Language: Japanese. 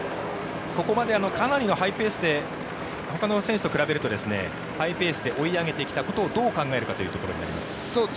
ここまでかなりのハイペースでほかの選手と比べるとハイペースで追い上げてきたことをどう考えるかということになりますね。